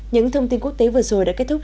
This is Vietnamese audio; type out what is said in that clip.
những thông tin quốc tế vừa rồi đã kết thúc